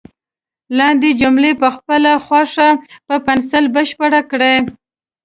لاندې جملې په خپله خوښه په پنسل بشپړ کړئ.